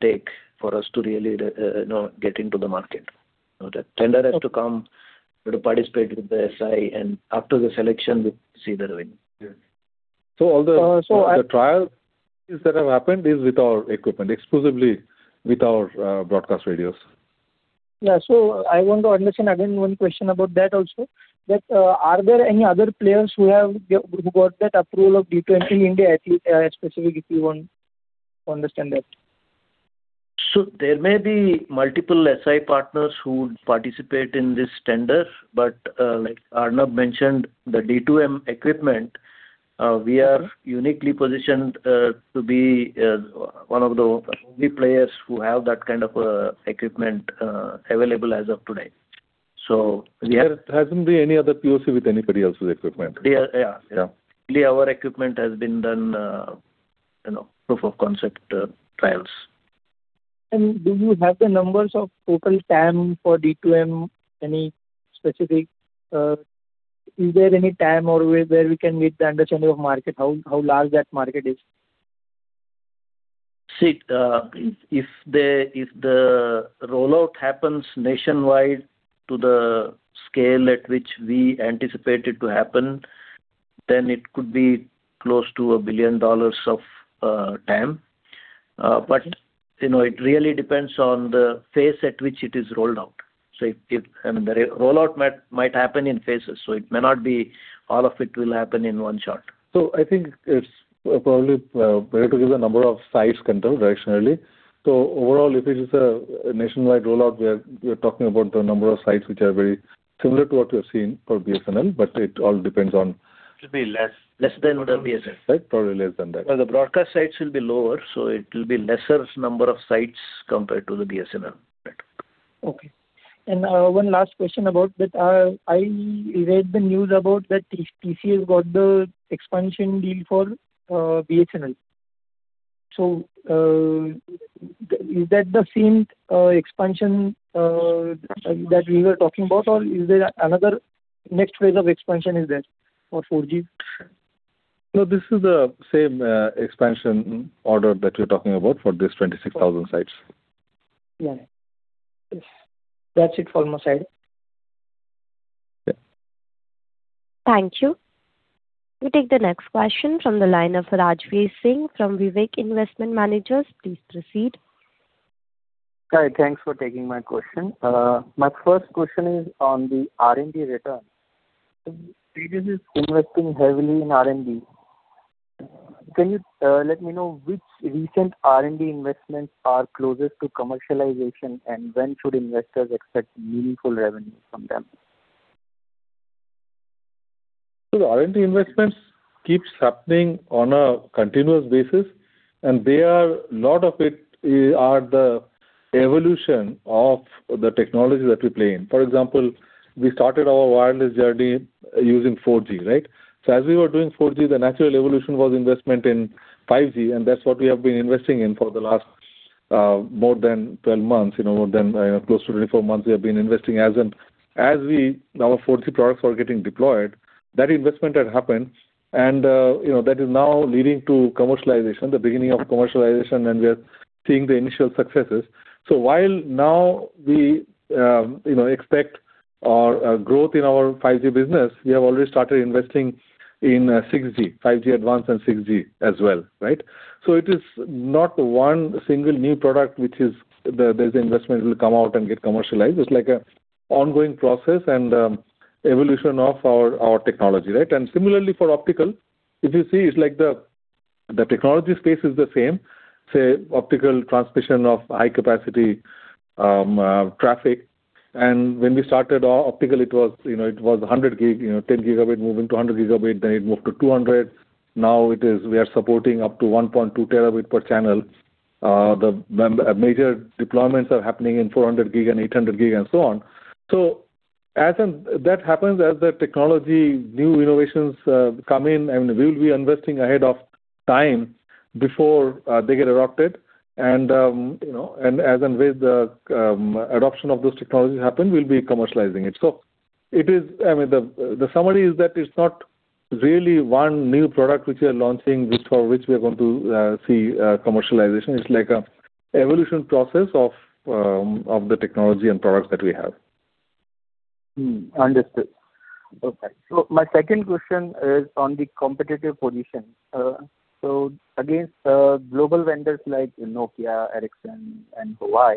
take for us to really get into the market. The tender has to come. We have to participate with the SI, after the selection, we see the revenue. Yeah. So I- the trial that have happened is with our equipment, exclusively with our broadcast radios. Yeah. I want to understand again one question about that also. Are there any other players who got that approval of D2M in India, specifically if you want to understand that. There may be multiple SI partners who would participate in this tender. Like Arnob mentioned, the D2M equipment, we are uniquely positioned to be one of the only players who have that kind of equipment available as of today. There hasn't been any other POC with anybody else's equipment. Yeah. Yeah. Only our equipment has been done proof of concept trials. Do you have the numbers of total TAM for D2M? Is there any TAM or where we can get the understanding of market, how large that market is? If the rollout happens nationwide to the scale at which we anticipate it to happen, it could be close to $1 billion of TAM. It really depends on the phase at which it is rolled out. The rollout might happen in phases, it may not be all of it will happen in one shot. I think it's probably better to give the number of sites control directionally. Overall, if it is a nationwide rollout, we are talking about the number of sites which are very similar to what we have seen for BSNL. It all depends on. It will be less than what BSNL. Right. Probably less than that. Well, the broadcast sites will be lower, so it will be lesser number of sites compared to the BSNL network. Okay. One last question about that. I read the news about that TCS got the expansion deal for BSNL. Is that the same expansion that we were talking about, or is there another next phase of expansion is there for 4G? No, this is the same expansion order that we're talking about for these 26,000 sites. Yeah. That's it from my side. Yeah. Thank you. We take the next question from the line of Rajveer Singh from Vivek Investment Managers. Please proceed. Hi. Thanks for taking my question. My first question is on the R&D return. Tejas is investing heavily in R&D. Can you let me know which recent R&D investments are closest to commercialization, and when should investors expect meaningful revenue from them? The R&D investments keeps happening on a continuous basis, and they are, a lot of it, are the evolution of the technology that we play in. For example, we started our wireless journey using 4G, right? As we were doing 4G, the natural evolution was investment in 5G, and that's what we have been investing in for the last more than 12 months. More than close to 24 months, we have been investing. As our 4G products were getting deployed, that investment had happened, and that is now leading to commercialization, the beginning of commercialization, and we are seeing the initial successes. While now we expect our growth in our 5G business, we have already started investing in 6G. 5G-Advanced and 6G as well. Right? It is not one single new product which there's investment will come out and get commercialized. It's like a ongoing process and evolution of our technology, right? Similarly for optical, if you see, it's like the technology space is the same, say, optical transmission of high-capacity traffic. When we started optical, it was 100 Gb, 10 Gb moving to 100 Gb, then it moved to 200 Gb. Now we are supporting up to 1.2 Tb per channel. The major deployments are happening in 400 Gb and 800 Gb and so on. As that happens, as the technology, new innovations come in and we will be investing ahead of time before they get adopted. As and when the adoption of those technologies happen, we'll be commercializing it. The summary is that it's not really one new product which we are launching, for which we are going to see commercialization. It's like a evolution process of the technology and products that we have. Understood. Okay. My second question is on the competitive position. Against global vendors like Nokia, Ericsson and Huawei,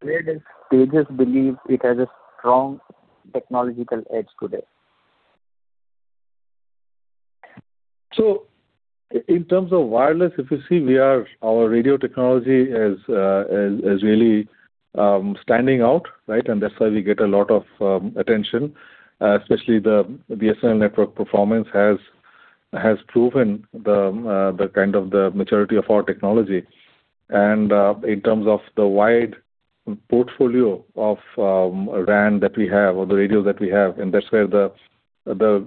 where does Tejas believe it has a strong technological edge today? In terms of wireless, if you see, our radio technology is really standing out, right? That's why we get a lot of attention, especially the SN network performance has proven the kind of the maturity of our technology. In terms of the wide portfolio of RAN that we have or the radios that we have, that's where the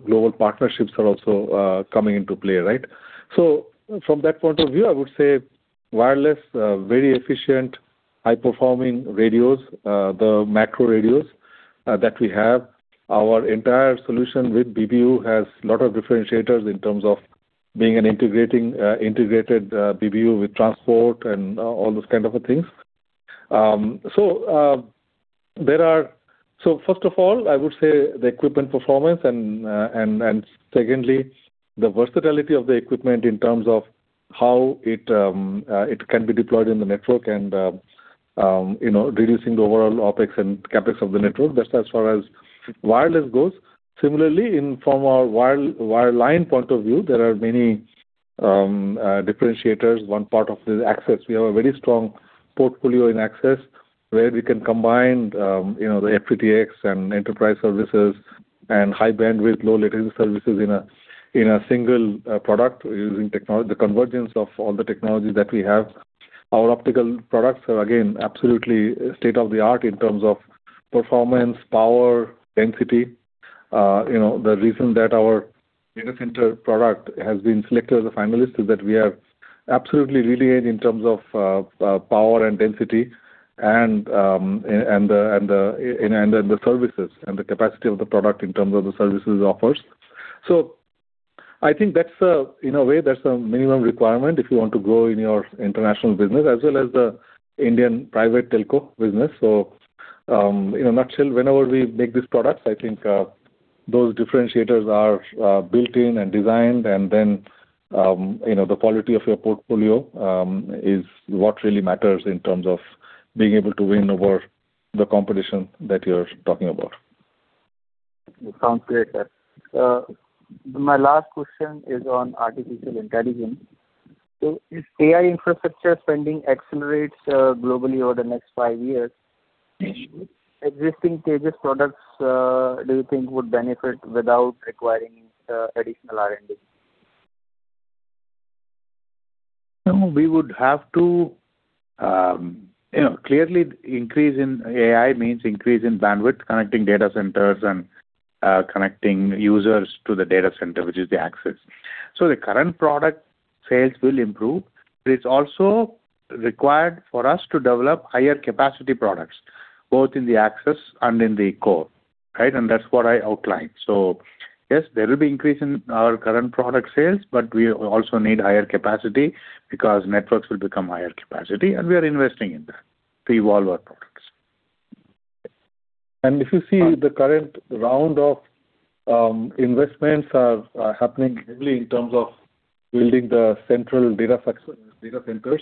global partnerships are also coming into play, right? From that point of view, I would say wireless, very efficient, high-performing radios, the macro radios that we have. Our entire solution with BBU has lot of differentiators in terms of being an integrated BBU with transport and all those kind of things. First of all, I would say the equipment performance and secondly, the versatility of the equipment in terms of how it can be deployed in the network and reducing the overall OpEx and CapEx of the network. That's as far as wireless goes. Similarly, from our wireline point of view, there are many differentiators. One part of the access, we have a very strong portfolio in access where we can combine the FTTx and enterprise services and high bandwidth, low latency services in a single product using the convergence of all the technologies that we have. Our optical products are, again, absolutely state-of-the-art in terms of performance, power, density. The reason that our data center product has been selected as a finalist is that we are absolutely leading in terms of power and density and the services and the capacity of the product in terms of the services it offers. I think, in a way, that's a minimum requirement if you want to grow in your international business as well as the Indian private telco business. In a nutshell, whenever we make these products, I think those differentiators are built in and designed and then the quality of your portfolio is what really matters in terms of being able to win over the competition that you're talking about. It sounds great. My last question is on artificial intelligence. If AI infrastructure spending accelerates globally over the next five years- existing Tejas products, do you think would benefit without requiring any additional R&D? Clearly, increase in AI means increase in bandwidth, connecting data centers, and connecting users to the data center, which is the access. The current product sales will improve, but it's also required for us to develop higher capacity products, both in the access and in the core, right? That's what I outlined. Yes, there will be increase in our current product sales, but we also need higher capacity because networks will become higher capacity, and we are investing in that to evolve our products. If you see the current round of investments are happening heavily in terms of building the central data centers,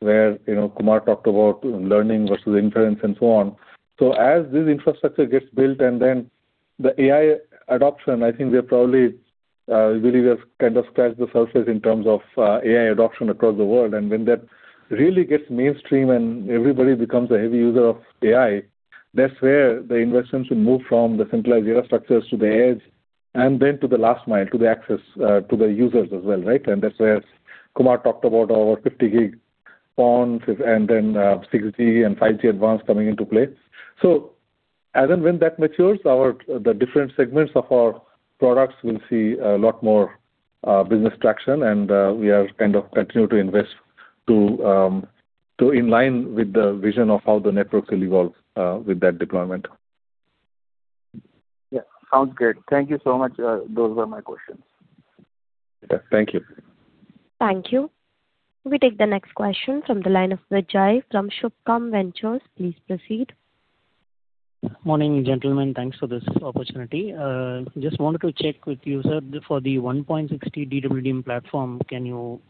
where Kumar talked about learning versus inference and so on. As this infrastructure gets built and then the AI adoption, I think we have probably really just kind of scratched the surface in terms of AI adoption across the world. When that really gets mainstream and everybody becomes a heavy user of AI, that's where the investments will move from the centralized data structures to the edge and then to the last mile, to the access, to the users as well, right? That's where Kumar talked about our 50 Gb PON, and then 6G and 5G-Advanced coming into play. As and when that matures, the different segments of our products will see a lot more business traction. We are kind of continuing to invest in line with the vision of how the networks will evolve with that deployment. Yeah. Sounds good. Thank you so much. Those were my questions. Okay. Thank you. Thank you. We take the next question from the line of Vijay from Subhkam Ventures. Please proceed. Morning, gentlemen. Thanks for this opportunity. Just wanted to check with you, sir. For the 1.60 DWDM platform, can you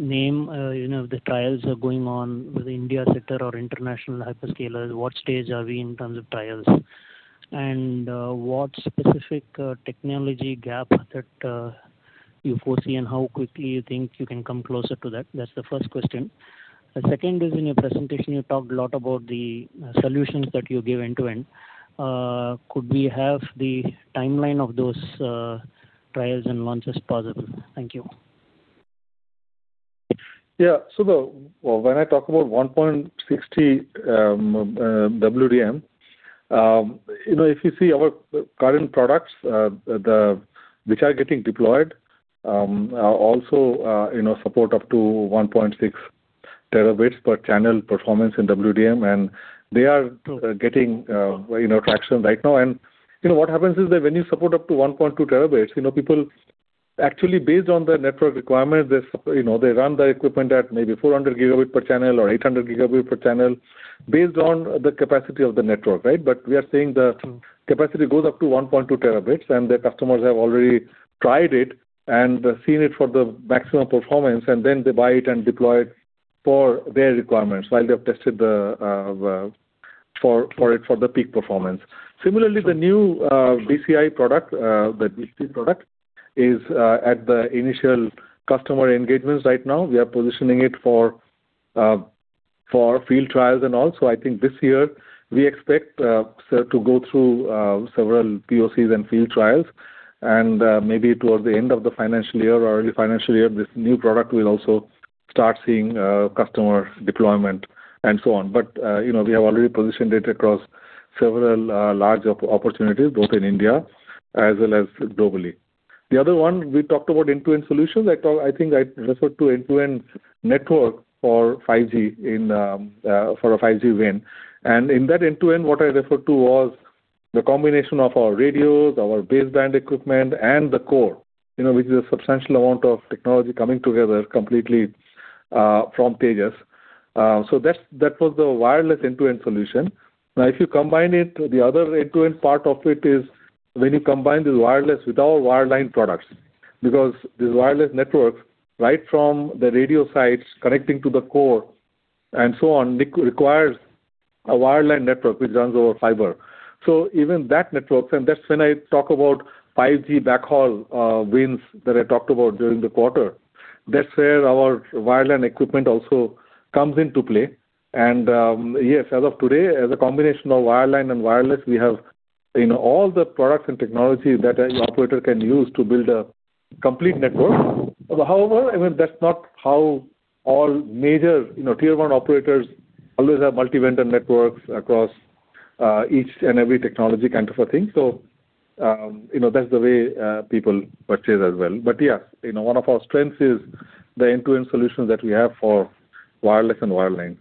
name the trials are going on with the India sector or international hyperscalers? What stage are we in in terms of trials? What specific technology gap that you foresee, and how quickly you think you can come closer to that? That's the first question. The second is, in your presentation, you talked a lot about the solutions that you give end-to-end. Could we have the timeline of those trials and launches possible? Thank you. Yeah. When I talk about 1.60 WDM, if you see our current products which are getting deployed, also support up to 1.6 Tb per channel performance in WDM, and they are getting traction right now. What happens is that when you support up to 1.2 Tb, people actually based on their network requirement, they run the equipment at maybe 400 Gb per channel or 800 Gb per channel based on the capacity of the network, right? We are saying the capacity goes up to 1.2 Tb, and the customers have already tried it and seen it for the maximum performance, and then they buy it and deploy it for their requirements while they have tested for the peak performance. Similarly, the new DCI product, the DCI product is at the initial customer engagements right now. We are positioning it for field trials and all. I think this year, we expect to go through several POCs and field trials, and maybe towards the end of the financial year or early financial year, this new product will also start seeing customer deployment and so on. We have already positioned it across several large opportunities, both in India as well as globally. The other one, we talked about end-to-end solutions. I think I referred to end-to-end network for a 5G WAN. In that end-to-end, what I referred to was the combination of our radios, our base band equipment, and the core which is a substantial amount of technology coming together completely from Tejas. That was the wireless end-to-end solution. Now, if you combine it, the other end-to-end part of it is when you combine the wireless with our wireline products. Because this wireless network, right from the radio sites connecting to the core and so on, requires a wireline network, which runs over fiber. Even that network, and that's when I talk about 5G backhaul WANs that I talked about during the quarter, that's where our wireline equipment also comes into play. Yes, as of today, as a combination of wireline and wireless, we have all the products and technology that any operator can use to build a complete network. However, that's not how all major tier 1 operators always have multi-vendor networks across each and every technology kind of a thing. That's the way people purchase as well. Yeah, one of our strengths is the end-to-end solutions that we have for wireless and wireline.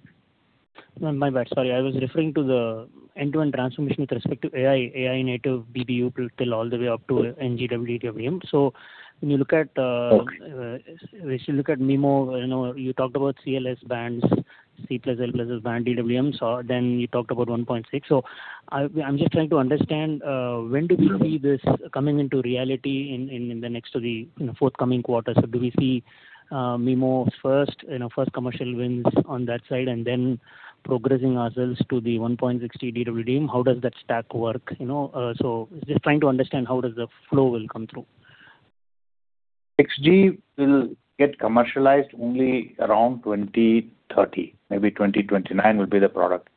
My bad, sorry. I was referring to the end-to-end transformation with respect to AI native BBU all the way up to NG WDM. Okay we look at MIMO, you talked about CLS bands, C+L+S band DWDM, you talked about 1.6. I'm just trying to understand, when do we see this coming into reality in the next to the forthcoming quarters? Do we see MIMO's first commercial wins on that side and then progressing ourselves to the 1.60 DWDM? How does that stack work? Just trying to understand how does the flow will come through. 6G will get commercialized only around 2030. Maybe 2029 will be the product.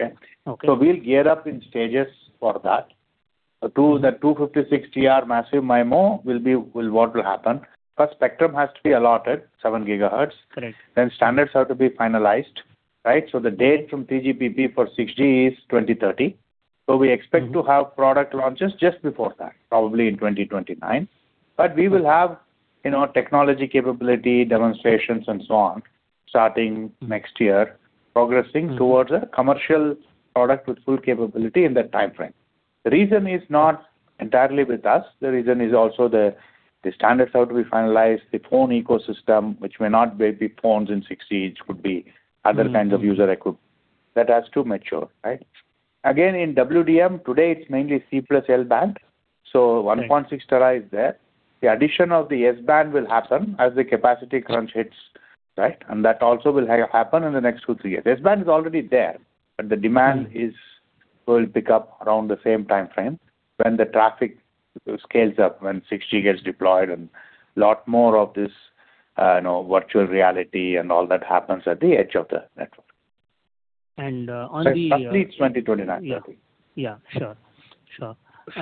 Okay? Okay. We'll gear up in stages for that. The 256T256R massive MIMO will want to happen. First, spectrum has to be allotted 7 GHz. Correct. Standards have to be finalized, right? The date from 3GPP for 6G is 2030. We expect to have product launches just before that, probably in 2029. We will have technology capability demonstrations and so on, starting next year, progressing towards a commercial product with full capability in that timeframe. The reason is not entirely with us. The reason is also the standards have to be finalized. The phone ecosystem, which may not be phones in 6G, it could be other kinds of user equipment. That has to mature, right? Again, in WDM, today it's mainly C+L band, so 1.6 Tb is there. The addition of the S-band will happen as the capacity crunch hits, right? That also will happen in the next two, three years. S-band is already there, but the demand will pick up around the same timeframe when the traffic scales up, when 6G gets deployed, and a lot more of this virtual reality and all that happens at the edge of the network. And on the- That's 2029, 2030. Yeah. Sure.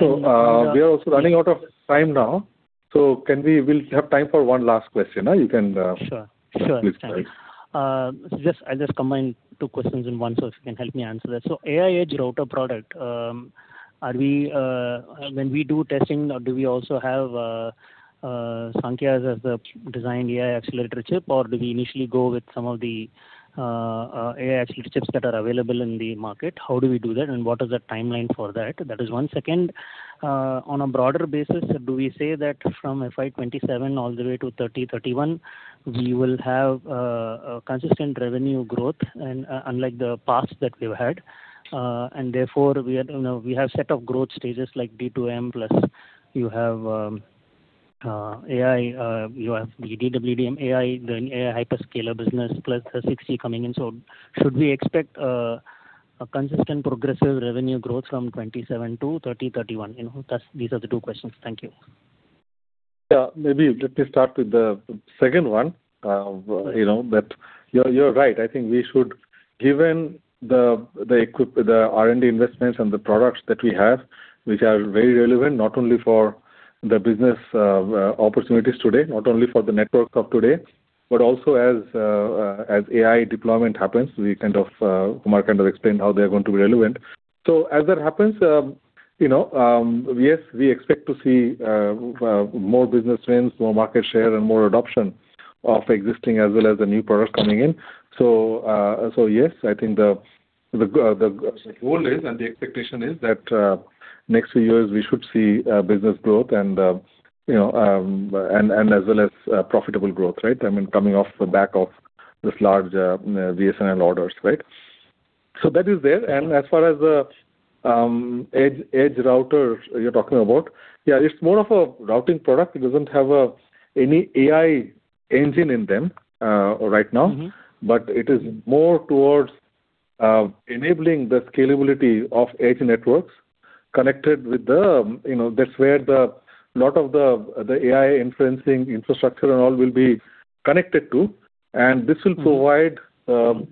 We are also running out of time now. We will have time for one last question. You can- Sure. Please go ahead. I will just combine two questions in one, if you can help me answer that. AI edge router product, when we do testing, do we also have Saankhya's as the designed AI accelerator chip, or do we initially go with some of the AI accelerator chips that are available in the market? How do we do that, and what is the timeline for that? That is one. Second, on a broader basis, do we say that from FY 2027 all the way to 2030, 2031, we will have a consistent revenue growth unlike the past that we have had? Therefore, we have set of growth stages like D2M, plus you have AI, you have the DWDM AI, then AI hyperscaler business, plus the 6G coming in. Should we expect a consistent progressive revenue growth from 2027 to 2030, 2031? These are the two questions. Thank you. Yeah. Maybe let me start with the second one. You're right. I think given the R&D investments and the products that we have, which are very relevant not only for the business opportunities today, not only for the networks of today, but also as AI deployment happens, Kumar kind of explained how they're going to be relevant. As that happens, yes, we expect to see more business wins, more market share, and more adoption of existing as well as the new products coming in. Yes, I think the goal is and the expectation is that next few years we should see business growth and as well as profitable growth, right? Coming off the back of this large BSNL orders, right? That is there. As far as the edge router you're talking about, yeah, it's more of a routing product. It doesn't have any AI engine in them right now. It is more towards enabling the scalability of edge networks. That's where a lot of the AI inferencing infrastructure and all will be connected to. This will provide the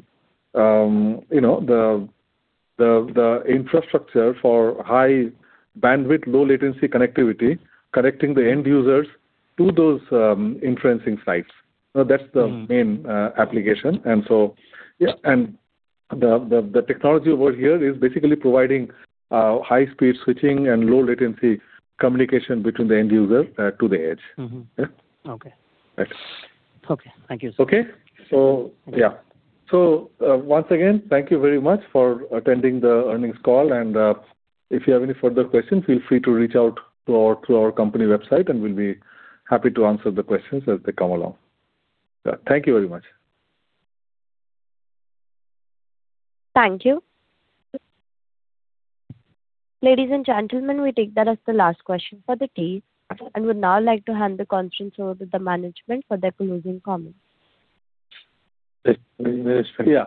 infrastructure for high bandwidth, low latency connectivity, connecting the end users to those inferencing sites. That's the main application. Yeah. The technology over here is basically providing high speed switching and low latency communication between the end user to the edge. Yeah. Okay. Thanks. Okay. Thank you. Okay. Once again, thank you very much for attending the earnings call, and if you have any further questions, feel free to reach out through our company website, and we will be happy to answer the questions as they come along. Thank you very much. Thank you. Ladies and gentlemen, we take that as the last question for the day and would now like to hand the conference over to the management for their closing comments. Yeah.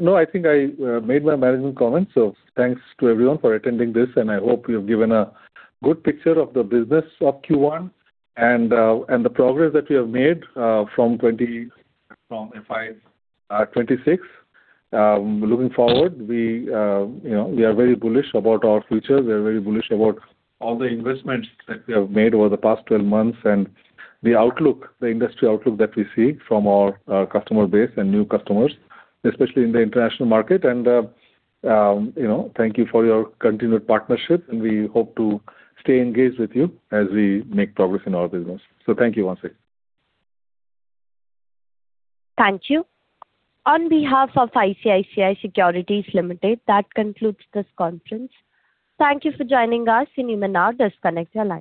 No, I think I made my management comments. Thanks to everyone for attending this, and I hope we have given a good picture of the business of Q1 and the progress that we have made from FY 2026. Looking forward, we are very bullish about our future. We are very bullish about all the investments that we have made over the past 12 months and the industry outlook that we see from our customer base and new customers, especially in the international market. Thank you for your continued partnership, and we hope to stay engaged with you as we make progress in our business. Thank you once again. Thank you. On behalf of ICICI Securities Limited, that concludes this conference. Thank you for joining us. You may now disconnect your lines.